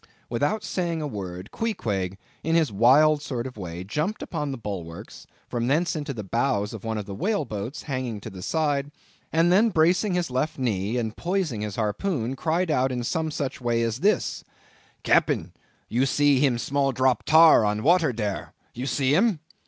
Without saying a word, Queequeg, in his wild sort of way, jumped upon the bulwarks, from thence into the bows of one of the whale boats hanging to the side; and then bracing his left knee, and poising his harpoon, cried out in some such way as this:— "Cap'ain, you see him small drop tar on water dere? You see him?